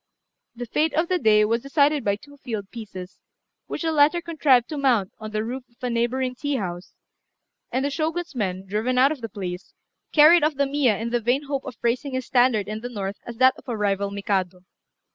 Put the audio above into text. The fate of the day was decided by two field pieces, which the latter contrived to mount on the roof of a neighbouring tea house; and the Shogun's men, driven out of the place, carried off the Miya in the vain hope of raising his standard in the north as that of a rival Mikado.